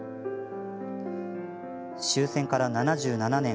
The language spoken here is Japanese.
終戦から７７年。